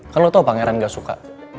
kan lo tau pangeran gak suka